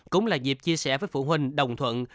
cũng là dịp chia sẻ với phụ huynh đồng thuận